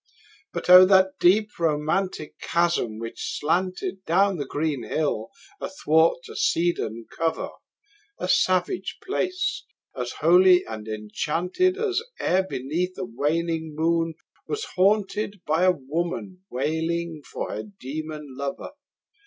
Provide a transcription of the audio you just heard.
But O, that deep romantic chasm which slanted Down the green hill athwart a cedarn cover! A savage place! as holy and enchanted As e'er beneath a waning moon was haunted 15 By woman wailing for her demon lover!